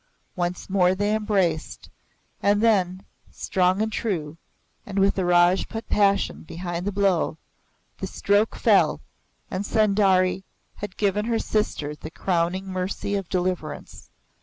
Once more they embraced, and then, strong and true, and with the Rajput passion behind the blow, the stroke fell and Sundari had given her sister the crowning mercy of deliverance.